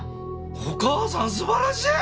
お母さん素晴らしい！